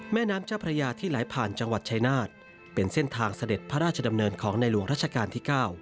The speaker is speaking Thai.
แม่น้ำเจ้าพระยาที่ไหลผ่านจังหวัดชายนาฏเป็นเส้นทางเสด็จพระราชดำเนินของในหลวงรัชกาลที่๙